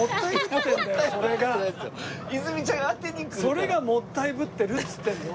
それがもったいぶってるっつってんの！